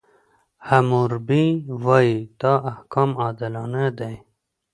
حموربي وایي، دا احکام عادلانه دي.